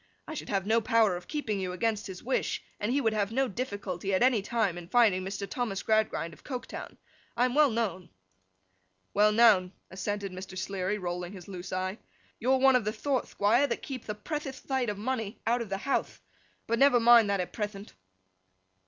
I should have no power of keeping you against his wish, and he would have no difficulty, at any time, in finding Mr. Thomas Gradgrind of Coketown. I am well known.' 'Well known,' assented Mr. Sleary, rolling his loose eye. 'You're one of the thort, Thquire, that keepth a prethiouth thight of money out of the houthe. But never mind that at prethent.